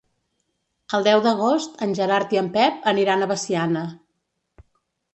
El deu d'agost en Gerard i en Pep aniran a Veciana.